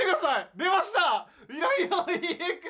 出ました。